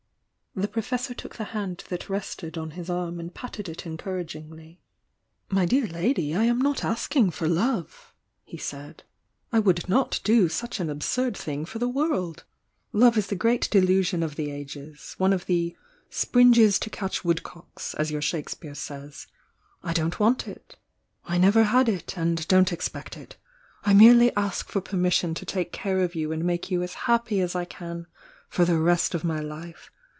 The Professor took the hand that rested on his arm and patted it encouragingly. THE YOUNG DIANA 228 "My dear lady, I am not asking for love!" he said. "I would not do such an absurd thing for the world! Love is the greatest delusion of the ages, — one of the 'springes to catch woodcocks,' as your Shake speare says. _ I don't want it, — I never had it, and don't expect it. I merely ask for permission to take care of you and make you as happy as I can for the rest of my life.